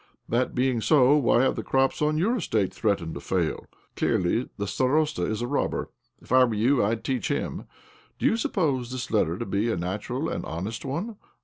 That being so, why have the crops on your estate threatened to fail? Clearly the starosta is a robber. If / were there I'd teach him ! Do you sup pose this letter to be a natural, an honest one?